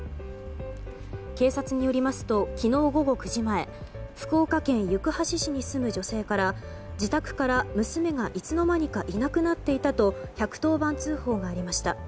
警察によりますと昨日午後９時前福岡県行橋市に住む女性から自宅から娘が、いつの間にかいなくなっていたと１１０番通報がありました。